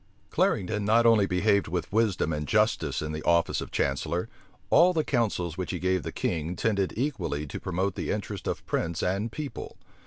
Clarendon not only behaved with wisdom and justice in the office of chancellor; all the counsels which he gave the king tended equally to promote the interest of prince and people.